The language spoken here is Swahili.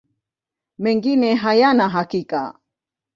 Mengine hayana hakika.